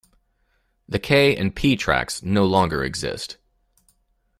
The K and P tracks no longer exist.